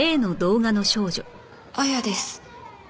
亜弥です。